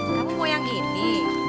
kamu mau yang ini